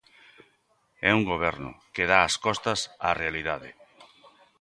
É un goberno que dá as costas á realidade.